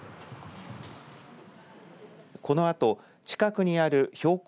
このあと近くにある標高